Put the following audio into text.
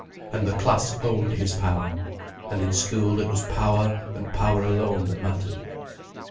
And the class owned his power. And in school it was power, and power alone that mattered.